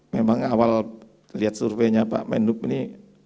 memang awal lihat surveinya pak menduk ini